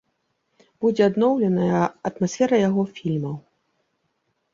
Будзе адноўленая атмасфера яго фільмаў.